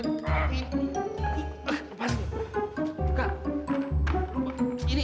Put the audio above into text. nggak usah cari